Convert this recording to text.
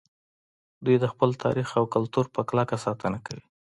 دوی د خپل تاریخ او کلتور په کلکه ساتنه کوي